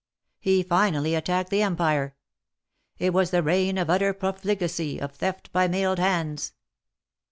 He finally attacked the Empire. It was the reign of utter profligacy, of theft by mailed hands.